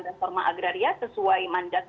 reforma agraria sesuai mandat